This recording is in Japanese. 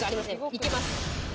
行けます。